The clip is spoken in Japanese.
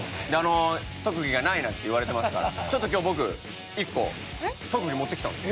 あの特技がないなんて言われてますからちょっと今日僕１個。え！